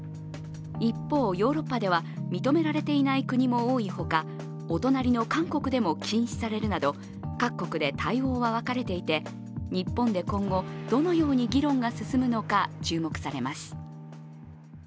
一方、ヨーロッパでは認められていない国も多いほかお隣の韓国でも禁止されるなど各国で対応は分かれていて、日本で今後、どのように議論が進むのか注目されます。